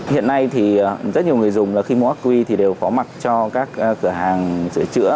hiện nay rất nhiều người dùng khi mua ác quy đều có mặt cho các cửa hàng sửa chữa